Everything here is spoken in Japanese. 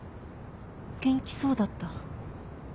元気そうだった？